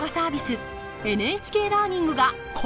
ＮＨＫラーニングがコラボ！